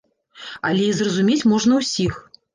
Але і зразумець можна ўсіх.